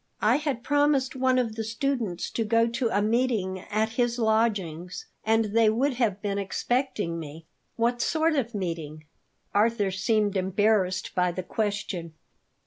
"I had promised one of the students to go to a meeting at his lodgings, and they would have been expecting me." "What sort of meeting?" Arthur seemed embarrassed by the question.